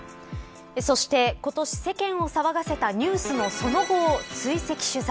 そして、今年世間を騒がせたニュースのその後を追跡取材。